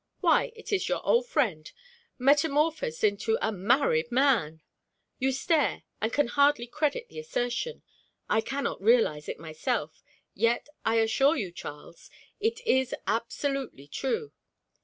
Why, it is your old friend, metamorphosed into a married man! You stare, and can hardly credit the assertion. I cannot realize it myself; yet I assure you, Charles, it is absolutely true.